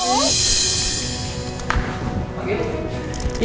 iya enak sih